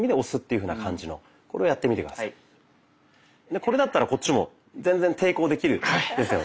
これだったらこっちも全然抵抗できるですよね。